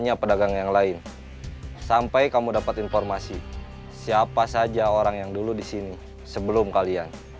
apa yang terjadi